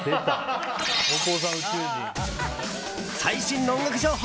最新の音楽情報。